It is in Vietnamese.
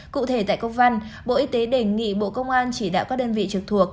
cụ thể tại công văn bộ y tế đề nghị bộ công an chỉ đạo các đơn vị trực thuộc